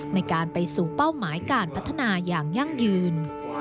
ในการไปสู่เป้าหมายการพัฒนาอย่างยั่งยืน